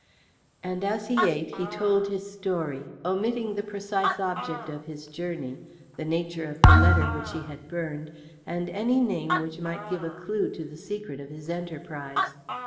And as he ate he told his story, omitting the precise object of his journey, the nature of the letter which he had burned, and any name which might give a clue to the secret of his enterprise.